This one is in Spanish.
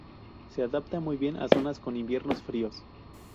Se adapta muy bien a zonas con inviernos fríos.